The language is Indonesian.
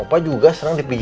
opa juga seneng dipijetinnya